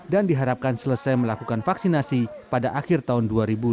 dan diharapkan selesai melakukan vaksinasi pada akhir tahun dua ribu dua puluh satu